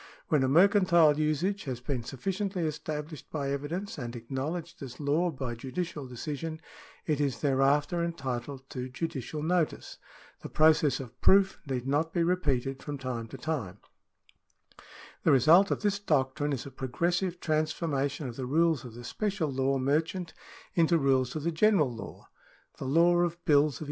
When a mercantile usage has been sufficiently established by evidence and acknowledged as law by judicial decision, it is thereafter entitled to judicial notice. The process of proof need not be repeated from time to time.^ The result of this doctrine is a progressive transformation of the rules of the special law merchant into rules of the general law. The law of bills of 1 Edie V. East India Co., 2 Burr 1226 ; Barnet v. Brandao, 6 M. & G. at p.